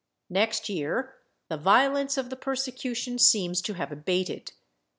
Next year, the violence of the persecution seems to have abated.